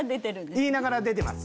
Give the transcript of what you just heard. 言いながら出てます。